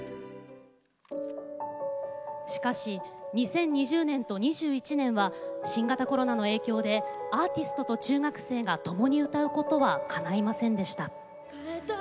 しかし、２０２０年と２１年は新型コロナの影響でアーティストと中学生がともに歌うことはかないませんでした。